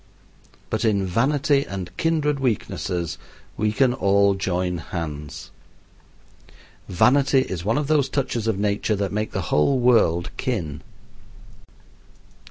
But in vanity and kindred weaknesses we can all join hands. Vanity is one of those touches of nature that make the whole world kin.